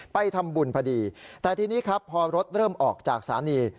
ไปทำบุญพอดีแต่ทีนี้ครับพอรถเริ่มออกจากสถานี